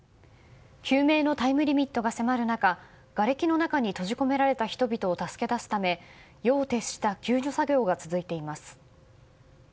救命のタイムリミットが迫る中がれきに閉じ込められた人々を助け出すため、夜を徹した救助作業が続いています。